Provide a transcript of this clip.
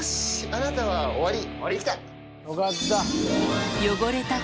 あなたは終わり。